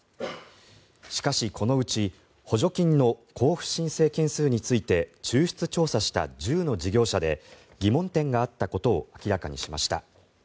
しかし、このうち補助金の交付申請件数について抽出調査した１０の事業者で疑問点があったことを明かしました。